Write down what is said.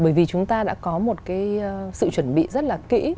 bởi vì chúng ta đã có một cái sự chuẩn bị rất là kỹ